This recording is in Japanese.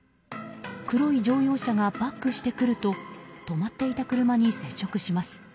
黒い乗用車がバックしてくると止まっていた車に接触します。